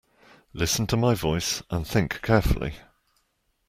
Listen to my voice and think carefully.